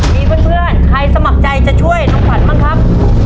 มีเพื่อนใครสมัครใจจะช่วยน้องขวัญบ้างครับ